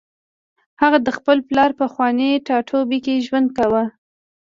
هغه د خپل پلار په پخواني ټاټوبي کې ژوند کاوه